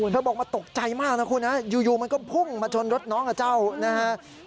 บอกมันตกใจมากนะคุณนะอยู่มันก็พุ่งมาชนรถน้องกับเจ้านะฮะ